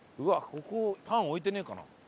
ここパン置いてねえかな。